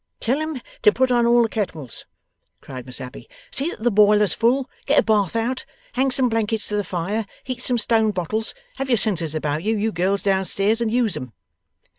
'Tell 'em to put on all the kettles!' cried Miss Abbey. 'See that the boiler's full. Get a bath out. Hang some blankets to the fire. Heat some stone bottles. Have your senses about you, you girls down stairs, and use 'em.